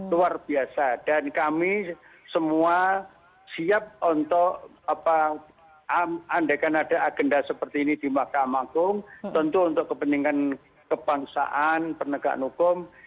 luar biasa dan kami semua siap untuk andaikan ada agenda seperti ini di mahkamah agung tentu untuk kepentingan kebangsaan penegakan hukum